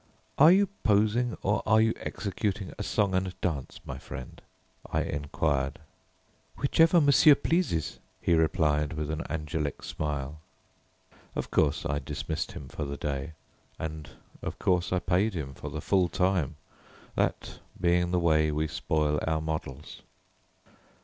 "Are you posing, or are you executing a song and dance, my friend?" I inquired. "Whichever monsieur pleases," he replied, with an angelic smile. Of course I dismissed him for the day, and of course I paid him for the full time, that being the way we spoil our models.